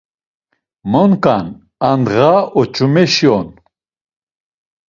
Monǩa’n, andğa oç̌umeşi on.